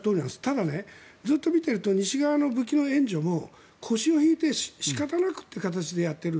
ただ、ずっと見ていると西側の武器の援助も腰を引いて、仕方なくっていう形でやっている。